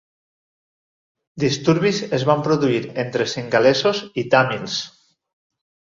Disturbis es van produir entre singalesos i tàmils.